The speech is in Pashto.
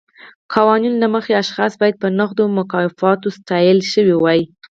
قوانینو له مخې اشخاص باید په نغدي مکافاتو ستایل شوي وای.